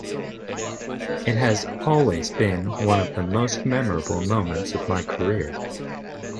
It has always been one of the most memorable moments of my career.